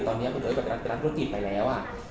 ตอนนี้คุณเอ๋อก็ไปรับธุรกิจไปแล้วอ่ะ